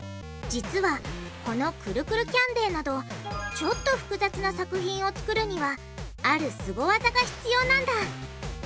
実はこのくるくるキャンデーなどちょっと複雑な作品を作るにはあるスゴ技が必要なんだ。